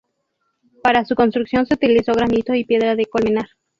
Para su construcción se utilizó granito y piedra de Colmenar.